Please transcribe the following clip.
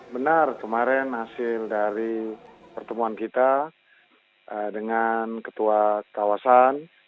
benar kemarin hasil dari pertemuan kita dengan ketua kawasan